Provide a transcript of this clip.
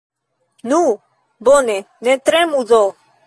Nu, bone, ne tremu do!